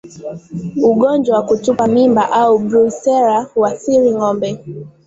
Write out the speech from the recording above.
Ugonjwa wa kutupa mimba au Brusela huathiri ngombe